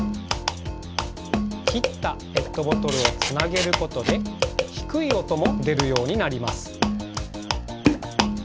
きったペットボトルをつなげることでひくいおともでるようになります。